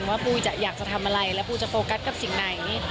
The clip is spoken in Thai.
ว่าปูจะอยากจะทำอะไรแล้วปูจะโฟกัสกับสิ่งไหน